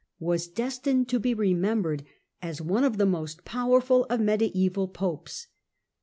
was destined to be remem '^ bered as one of the most powerful of mediaeval Popes.